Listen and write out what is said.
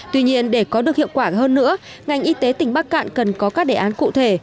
tuy nhiên để có được hiệu quả hơn nữa ngành y tế tỉnh bắc cạn cần có các đề án cụ thể